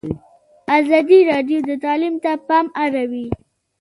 ازادي راډیو د تعلیم ته پام اړولی.